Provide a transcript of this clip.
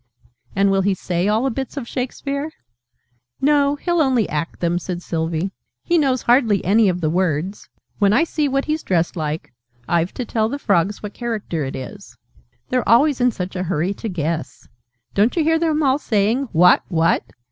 "And will he say all the Bits of Shakespeare?" "No, he'll only act them," said Sylvie. "He knows hardly any of the words. When I see what he's dressed like, I've to tell the Frogs what character it is. They're always in such a hurry to guess! Don't you hear them all saying 'What? What?'"